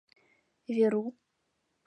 Веру.